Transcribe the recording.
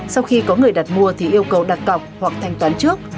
sau khi có người đặt mua thì yêu cầu đặt cọc hoặc thanh toán trước